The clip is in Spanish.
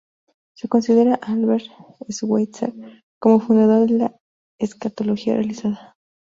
Se considera a Albert Schweitzer como fundador de la Escatología Realizada.